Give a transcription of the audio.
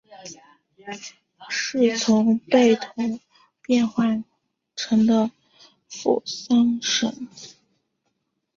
是从贝桶变化成的付丧神。